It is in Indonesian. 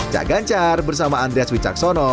cak ganjar bersama andreas wicaksono